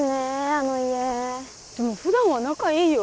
あの家でも普段は仲いいよ